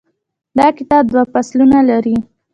دا کتاب دوه فصلونه لري.